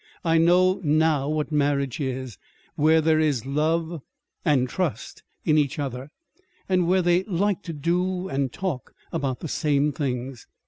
I know now what marriage is, where there is love, and trust in each other, and where they like to do and talk about the same things.